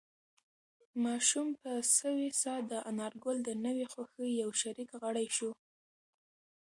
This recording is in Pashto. ماشوم په سوې ساه د انارګل د نوې خوښۍ یو شریک غړی شو.